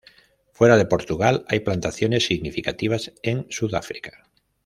Fuera de Portugal hay plantaciones significativas en Sudáfrica.